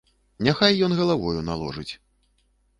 Няхай ён галавою наложыць.